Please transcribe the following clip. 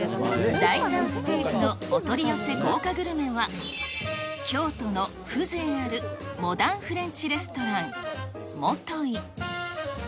第３ステージのお取り寄せ豪華グルメは、京都の風情あるモダンフレンチレストラン、モトイ。